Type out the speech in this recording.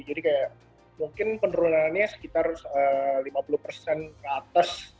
jadi kayak mungkin penurunannya sekitar lima puluh persen ke atas